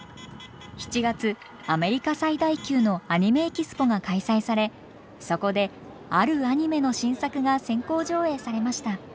７月アメリカ最大級のアニメ・エキスポが開催されそこであるアニメの新作が先行上映されました。